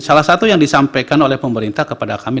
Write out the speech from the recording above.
salah satu yang disampaikan oleh pemerintah kepada kami